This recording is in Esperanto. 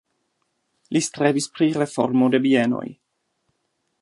Li strebis pri reformo de bienoj.